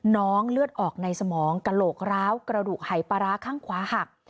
น้องเลือดออกในสมองกระโหลกร้าวกระดูกไหปราคั่งขวาหัก